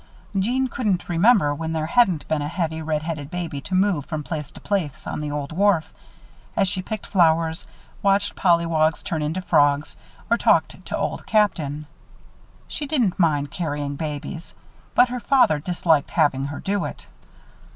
Jeanne couldn't remember when there hadn't been a heavy, red headed baby to move from place to place on the old wharf, as she picked flowers, watched pollywogs turn into frogs, or talked to Old Captain. She didn't mind carrying babies, but her father disliked having her do it.